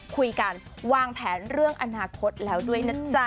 คุยกันวางแผนเรื่องอนาคตแล้วด้วยนะจ๊ะ